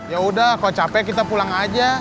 yaudah kalau capek kita pulang aja